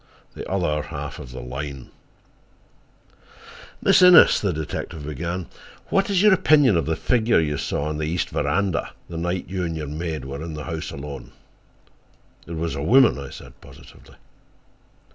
THE OTHER HALF OF THE LINE "Miss Innes," the detective began, "what is your opinion of the figure you saw on the east veranda the night you and your maid were in the house alone?" "It was a woman," I said positively.